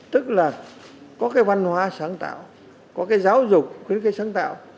tức là có cái văn hóa sáng tạo có cái giáo dục khuyến khích sáng tạo